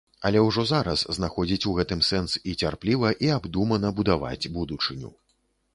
Але ўжо зараз знаходзіць у гэтым сэнс і цярпліва і абдумана будаваць будучыню.